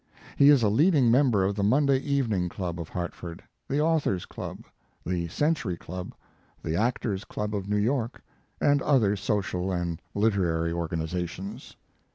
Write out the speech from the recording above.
He is a leading member of the Monday Evening Club of Hartford, the Authors Club, the Century Club, the Actors Club of New York, and other social and literary or ganizations.